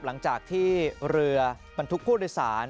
หลังจากที่เรือบรรทุกผู้โดยสาร